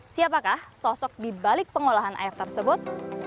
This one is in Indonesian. siapakah sosok di balik pengolahan air tersebut